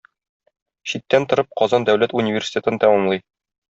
Читтән торып Казан дәүләт университетын тәмамлый.